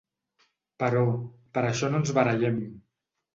Però, per això no ens barallem.